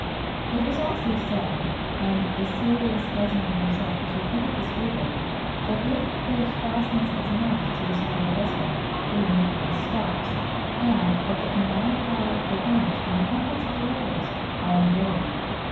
It was also said, and the serious Gesner himself has repeated this fable:[XXI 76] That if the fish fastens its mouth to the side of a vessel it immediately stops, and that the combined power of the wind and the efforts of the rowers are unavailing.